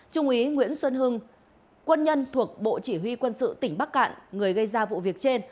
trung úy nguyễn xuân hưng quân nhân thuộc bộ chỉ huy quân sự tỉnh bắc cạn người gây ra vụ việc trên